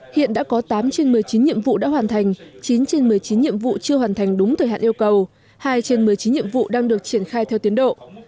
hiện đã có tám trên một mươi chín nhiệm vụ đã hoàn thành chín trên một mươi chín nhiệm vụ chưa hoàn thành đúng thời hạn yêu cầu hai trên một mươi chín nhiệm vụ đang được triển khai theo tiến độ